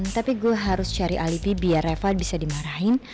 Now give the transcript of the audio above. tapi gue harus cari alibi biar eva bisa dimarahin